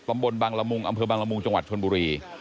อำเภอบังละมุงจังหวัดชนบุรี